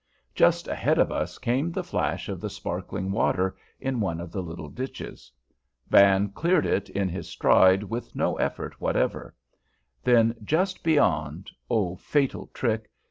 Just ahead of us came the flash of the sparkling water in one of the little ditches. Van cleared it in his stride with no effort whatever. Then, just beyond, oh, fatal trick!